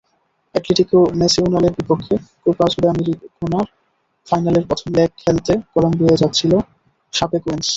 Atletico ন্যাসিওনালের বিপক্ষে Copa সুদামেরিকানার ফাইনালের প্রথম লেগ খেলতে কলম্বিয়ায় যাচ্ছিল শাপেকোয়েনস।